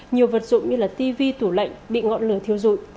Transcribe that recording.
nhiều vật dụng như là tv tủ lạnh bị ngọn lửa thiếu dụi